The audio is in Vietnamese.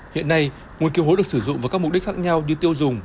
hiện nay nguồn kiều hối được sử dụng với các mục đích khác nhau như tiêu dùng